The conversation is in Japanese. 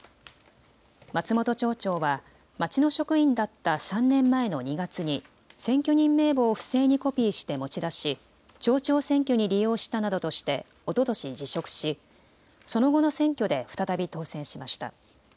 松本町長は町の職員だった３年前の２月に選挙人名簿を不正にコピーして持ち出し町長選挙に利用したなどとしておととし辞職し、その後の選挙で再び当選しました。